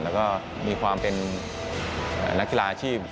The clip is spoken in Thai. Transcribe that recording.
แล้วก็มีความเป็นนักกีฬาอาชีพ